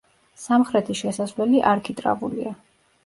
სამხრეთი შესასვლელი არქიტრავულია.